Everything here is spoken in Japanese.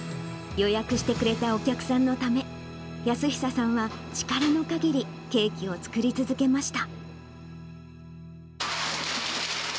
予約してくれたお客さんのため、泰久さんは力のかぎり、ケーキを作り続けました。